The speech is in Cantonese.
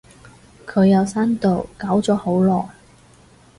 佢有刪到，搞咗好耐